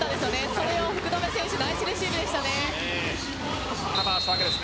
それを福留選手ナイスレシーブでした。